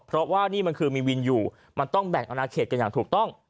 เพราะว่านี่มันคือมีวินอยู่มันต้องแบ่งอนาเขตกันอย่างถูกต้อง